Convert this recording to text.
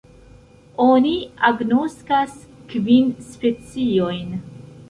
Oni agnoskas kvin speciojn.